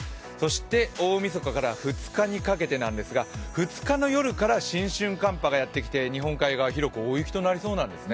大みそかから２日にかけてなんですが２日の夜から新春寒波がやってきて、日本海側は広く大雪となりそうなんですね。